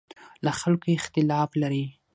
له خلکو اختلاف لري.